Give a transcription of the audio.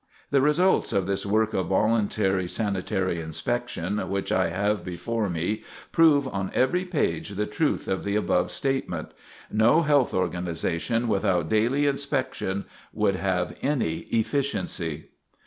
The results of this work of voluntary sanitary inspection which I have before me prove on every page the truth of the above statement. No health organization without daily inspection would have any efficiency.